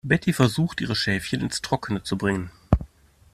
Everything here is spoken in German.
Betty versucht, ihre Schäfchen ins Trockene zu bringen.